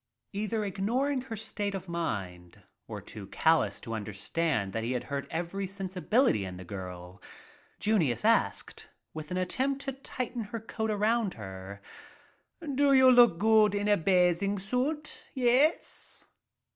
Either ignoring her state of mind or too calloused to understand that he had hurt every sensibility in the girl, Junius asked, with an attempt to tighten her coat around her : "How you look in a bathing suit, yes